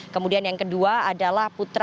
kemudian yang kedua adalah putra